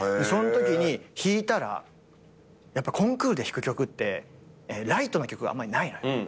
そのときに弾いたらやっぱコンクールで弾く曲ってライトな曲はあんまりないのよ。